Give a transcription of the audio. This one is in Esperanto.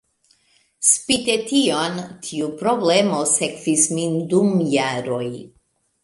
Spite tion, tiu problemo sekvis min dum jaroj.